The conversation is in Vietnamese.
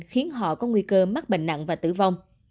khiến họ có nguy cơ mắc bệnh nặng và tử vong